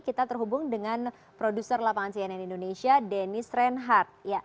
kita terhubung dengan produser lapangan cnn indonesia denis reinhardt